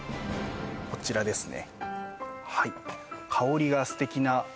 こちらですね